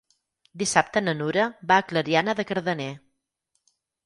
Dissabte na Nura va a Clariana de Cardener.